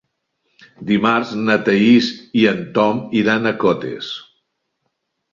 Dimarts na Thaís i en Tom iran a Cotes.